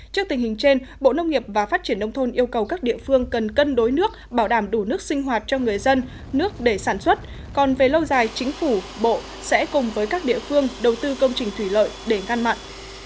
trước tình hình trên bộ nông nghiệp và phát triển nông thôn yêu cầu các địa phương cần cân đối nước bảo đảm đủ nước sinh hoạt cho người dân nước để sản xuất còn về lâu dài chính phủ bộ sẽ cùng với các địa phương đầu tư công trình thủy lợi để ngăn mặn